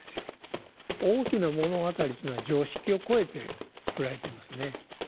「大きな物語」というのは常識を超えてつくられていますね。